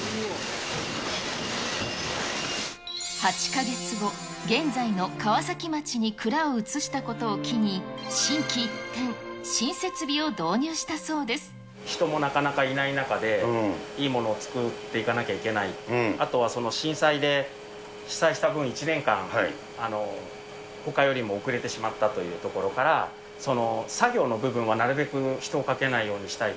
８か月後、現在の川崎町に蔵を移したことを機に、心機一転、新設備を導入し人もなかなかいない中で、いいものをつくっていかなきゃいけない、あとは震災で被災した分、１年間、ほかよりも遅れてしまったというところから、作業の部分はなるべく、人をかけないようにしたい。